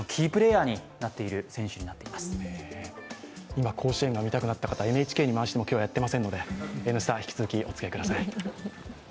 今、甲子園が見たくなった方、ＮＨＫに回しても今日はやっていませんので、「Ｎスタ」引き続きおつきあいください。